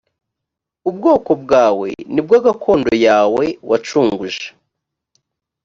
ubwoko bwa we ni bwo gakondo yawe wacunguje.